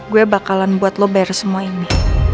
gue bakalan buat lo bayar semua ini